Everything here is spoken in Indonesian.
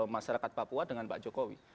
masyarakat papua dengan pak jokowi